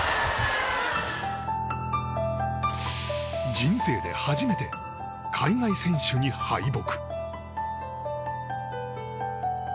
人生で初めて海外選手に敗北。